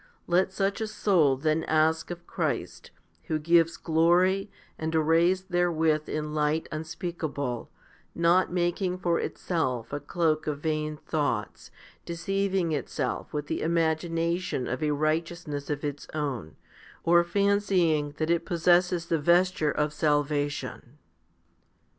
Let such a soul then ask of Christ, who gives glory and arrays therewith in light unspeakable, not making for itself a cloak of vain thoughts, deceiving itself with the imagination of a righteousness of its own, or fancying that it possesses the vesture of salvation.